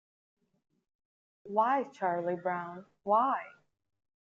Why, Charlie Brown, Why?